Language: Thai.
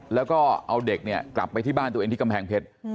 แล้วก็เอาเด็กเนี่ยกลับไปที่บ้านตัวเองที่กำแพงเพชร